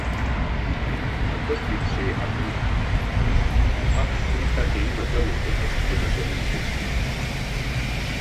Акыргьы дсеиҳабын, аха аԥсуа исахьа имаӡамызт аҵыхәтәаны данызбазгьы.